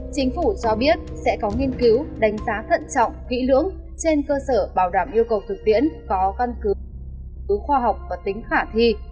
chính phủ cho biết sẽ có nghiên cứu đánh giá thận trọng kỹ lưỡng trên cơ sở bảo đảm yêu cầu thực tiễn có căn cứ khoa học và tính khả thi